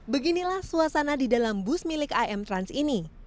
beginilah suasana di dalam bus milik am trans ini